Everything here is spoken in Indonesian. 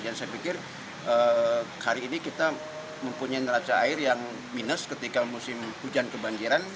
dan saya pikir hari ini kita mempunyai neraca air yang minus ketika musim hujan kebanjiran